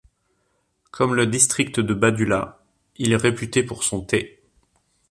Comme le district de Badulla, il est réputé pour son thé.